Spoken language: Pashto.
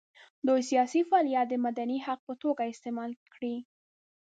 دوی سیاسي فعالیت د مدني حق په توګه استعمال کړي.